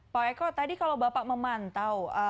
pak eko tadi kalau bapak memantau